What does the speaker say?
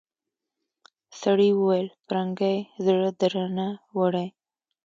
سړي وويل پرنګۍ زړه درنه وړی.